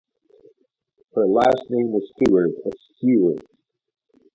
Her last name was Stuart or Stewart.